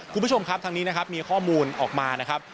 คุณผู้ชมครับทางนี้นะครับมีข้อมูลออกมานะครับ